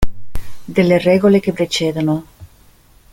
Delle regole che precedono.